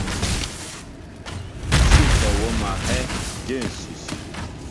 Sí kɔ wóm a hɛ́ɛ́ jə̂ ǹsʉsʉ.